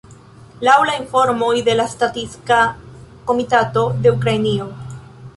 Laŭ la informoj de la statistika komitato de Ukrainio.